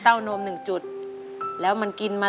ต้องพาสนบรรย์